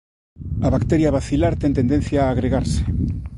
A bacteria bacilar ten tendencia a agregarse.